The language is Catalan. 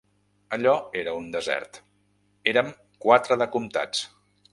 Allò era un desert: érem quatre de comptats.